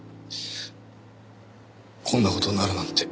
こんな事になるなんて。